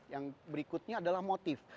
yang berikutnya adalah motif